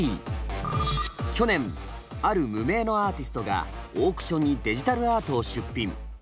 去年ある無名のアーティストがオークションにデジタルアートを出品。